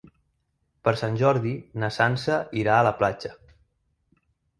Per Sant Jordi na Sança irà a la platja.